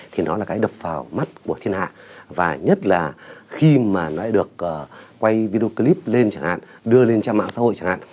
thì đó là cái đập vào mắt của thiên hạ và nhất là khi mà nó lại được quay video clip lên chẳng hạn đưa lên trang mạng xã hội chẳng hạn